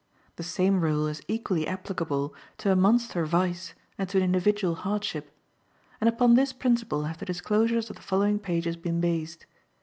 The same rule is equally applicable to a monster vice and to an individual hardship, and upon this principle have the disclosures of the following pages been based.